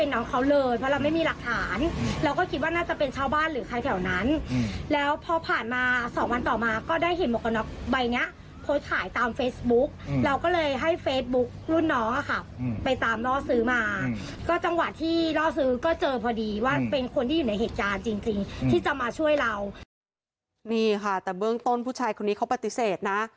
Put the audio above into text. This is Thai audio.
นี่ค่ะแต่เบื้องต้นผู้ชายคนนี้เขาปฏิเสธนะ